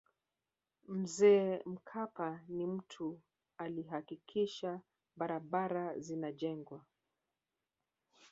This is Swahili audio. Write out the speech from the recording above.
mzee mkapa ni mtu alihakikisha barabara zinajengwa